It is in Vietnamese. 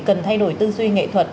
cần thay đổi tư duy nghệ thuật